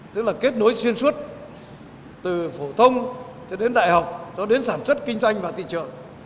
tức là kết nối xuyên suốt từ phổ thông cho đến đại học cho đến sản xuất kinh doanh và thị trợ